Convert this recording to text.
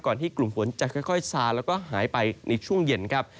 ที่กลุ่มฝนจะค่อยซาแล้วก็หายไปในช่วงเย็นครับ